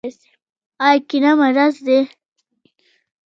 آیا کینه مرض دی؟